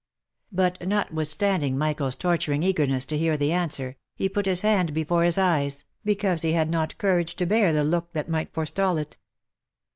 But notwithstanding Mi chael's torturing eagerness to hear the answer, he put his hand before his eyes, because he had not courage to bear the look that might fore stal it.